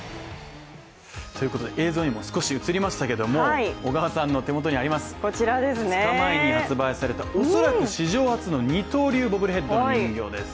映像にも少し映りましたけれども小川さんの手元にあります、２日前に発売された、おそらく史上初の二刀流ボブルヘッドの人形です。